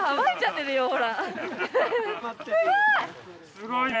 すごいな。